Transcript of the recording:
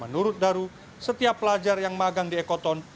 menurut daru setiap pelajar yang magang di ekoton